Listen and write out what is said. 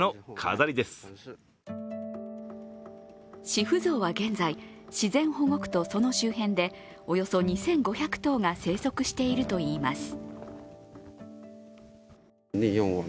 シフゾウは現在、自然保護区とその周辺でおよそ２５００頭が生息しているといいます。